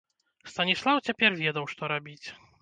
Станіслаў цяпер ведаў, што рабіць.